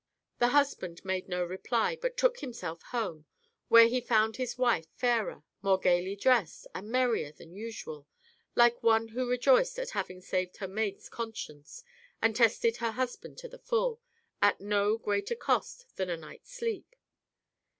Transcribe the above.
The husband made no reply, but took himself home, where he found his wife fairer, more gaily dressed, and merrier than usual, like one who rejoiced at having saved her maid's conscience, and tested her husband to the full, at no greater 6 THE HEPTAMERON. cost than a night's sleep.